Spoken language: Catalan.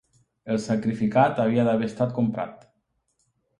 El sacrificat havia d'haver estat comprat.